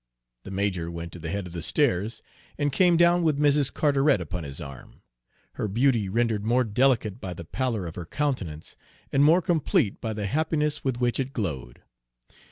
The major went to the head of the stairs and came down with Mrs. Carteret upon his arm, her beauty rendered more delicate by the pallor of her countenance and more complete by the happiness with which it glowed.